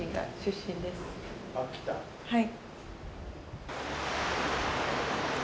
はい。